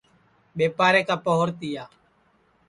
ٻیپارے کا پوہر تِیا